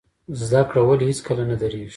زده کړه ولې هیڅکله نه دریږي؟